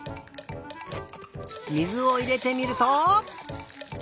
水をいれてみると。